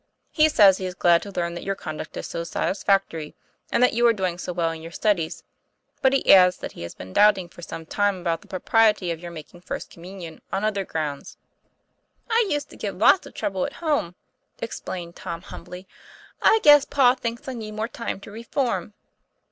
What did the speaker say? He says he is glad to learn that your conduct is so satisfactory, and that you are doing so well in your studies; but he adds that he has been doubting for some time about the pro priety of your making First Communion, on other grounds '" I used to give lots of trouble at home," explained Tom humbly. " I guess pa thinks I need more time to reform."